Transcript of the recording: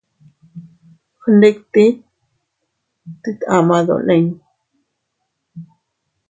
Gnditit ama dolin.